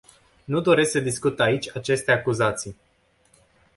Nu doresc să discut aici aceste acuzații.